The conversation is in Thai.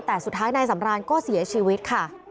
แต่สุดท้ายนายสำรานก็เสียชีวิตค่ะ